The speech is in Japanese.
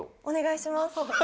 お願いします。